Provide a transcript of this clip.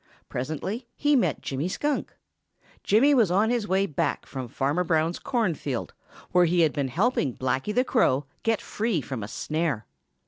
Presently he met Jimmy Skunk. Jimmy was on his way back from Farmer Brown's corn field, where he had been helping Blacky the Crow get free from a snare.